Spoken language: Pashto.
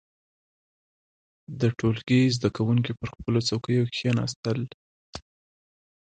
• د ټولګي زده کوونکي پر خپلو څوکيو کښېناستل.